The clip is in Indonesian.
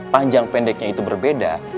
panjang pendeknya itu berbeda